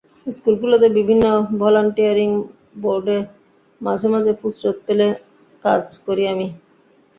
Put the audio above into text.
স্কুলগুলোতে বিভিন্ন ভলান্টিয়ারিং বোর্ডে মাঝে মাঝে ফুরসত পেলে কাজ করি আমি।